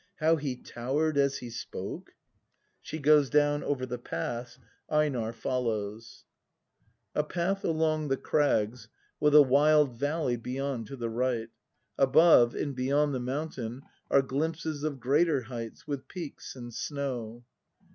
] How he tower'd as he spoke ? [She goes down over the pass, Einab. follows. [A path along the crags, with a wild valley beyond to the right. Above, and beyond the mountahi, are glimpses of greater heights, with peaks and snow.